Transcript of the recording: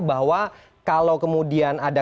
bahwa kalau kemudian ada